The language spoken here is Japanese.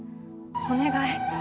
お願い。